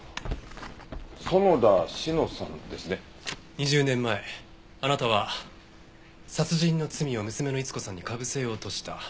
２０年前あなたは殺人の罪を娘の逸子さんに被せようとした。